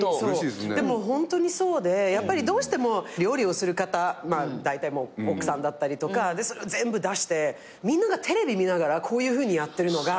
でもホントにそうでやっぱりどうしても料理をする方だいたい奥さんだったりとかそれを全部出してみんながテレビ見ながらこういうふうにやってるのが。